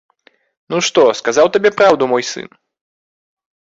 Ну, што, сказаў табе праўду мой сын?